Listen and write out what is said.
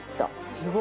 すごい！